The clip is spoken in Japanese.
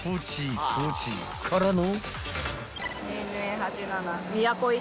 ［からの］